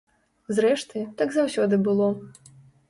Зрэшты, так заўсёды было.